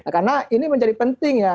karena ini menjadi penting ya